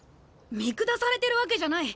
見下されてるわけじゃない。